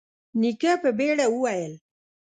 نيکه په بيړه وويل: